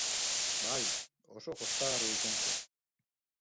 Bai, oso jostagarria izan zen.